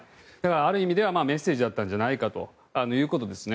ある意味ではメッセージだったんじゃないかということですね。